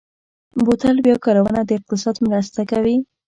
بوتل بیا کارونه د اقتصاد مرسته کوي.